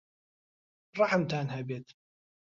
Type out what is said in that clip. ڕەحمتان هەبێت!